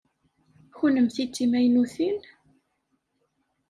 Kennemti d timaynutin?